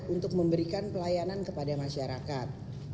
untuk memberikan pelayanan kepada masyarakat